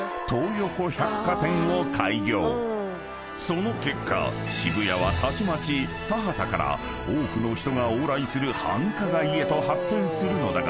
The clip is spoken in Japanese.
［その結果渋谷はたちまち田畑から多くの人が往来する繁華街へと発展するのだが］